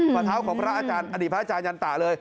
ประเท้าของพระอาจารย์อดีตพระอาจารยันตะเลย